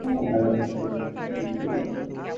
ভাবতেই পারছি না - কীভাবে এত ভালো একটা স্টুডেন্ট ফেল করলো।